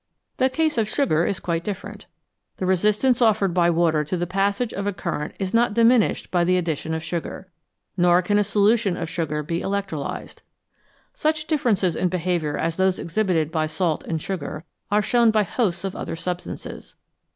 The case of sugar is quite different. The resistance offered by water to the passage of a current is not diminished by the addition of sugar, nor can a solution of sugar be electrolysed. Such differences in behaviour as those exhibited by salt and sugar are shown by hosts of other substances.